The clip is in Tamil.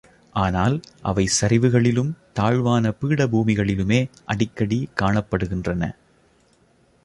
ஆனால் அவை சரிவுகளிலும் தாழ்வான பீடபூமிகளிலுமே அடிக்கடி காணப்படுகின்றன.